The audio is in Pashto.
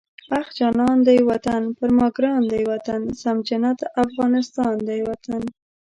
اخ جانان دی وطن، پر ما ګران دی وطن، سم جنت افغانستان دی وطن